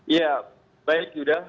ya baik yuda